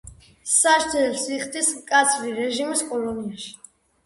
სასჯელს იხდის მკაცრი რეჟიმის კოლონიაში.